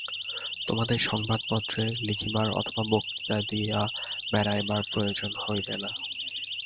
তোমাদের সংবাদপত্রে লিখিবার অথবা বক্তৃতা দিয়া বেড়াইবার প্রয়োজন হইবে না।